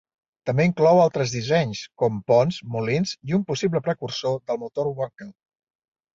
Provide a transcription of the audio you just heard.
També inclou altres dissenys com ponts, molins i un possible precursor del motor Wankel.